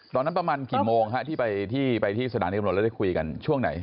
ตอนนั้นประมาณกี่โมงที่ไปที่สถานที่กำหนดแล้วได้คุยกันช่วงไหน